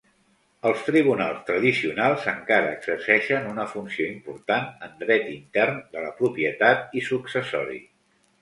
Els tribunals tradicionals encara exerceixen una funció important en dret intern, de la propietat i successori.